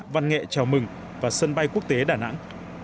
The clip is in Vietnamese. văn nghệ chào mừng và sân bay quốc tế đà nẵng